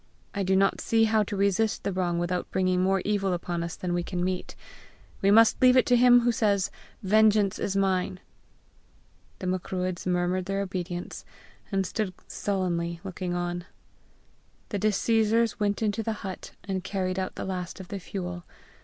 I do not see how to resist the wrong without bringing more evil upon us than we can meet. We must leave it to him who says 'Vengeance is mine.'" The Macruadhs murmured their obedience, and stood sullenly looking on. The disseizors went into the hut, and carried out the last of the fuel.